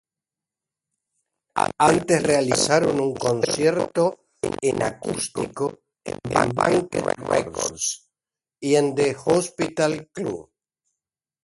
Antes realizaron un concierto en acústico en Banquet Records y en The Hospital Club.